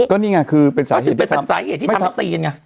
ก็นี่ไงคือเป็นสาเหตุที่ทำให้ตีนไง